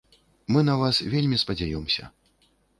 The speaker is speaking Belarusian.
Мы на вас вельмі спадзяёмся.